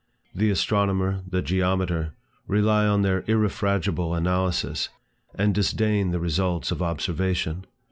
The astronomer, the geometer, rely on their irrefragable analysis, and disdain the results of observation.